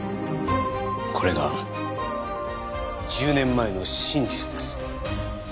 これが１０年前の真実です。